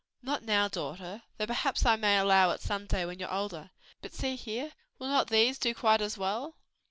"Not now, daughter, though perhaps I may allow it some day when you are older. But see here! will not these do quite as well?"